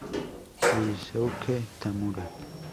Ryosuke Tamura